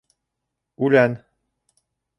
— Үлән!